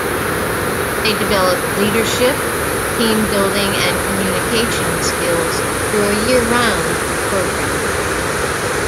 They develop leadership, team-building and communications skills through a year-round program.